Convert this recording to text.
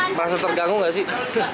merasa terganggu nggak sih